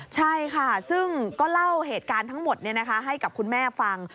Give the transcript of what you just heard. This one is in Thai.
ใช่ค่ะซึ่งก็เล่าเหตุการณ์ทั้งหมดให้กับคุณแม่ฟัง